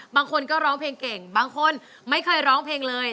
บางคนก็ร้องเพลงเก่งบางคนไม่เคยร้องเพลงเลย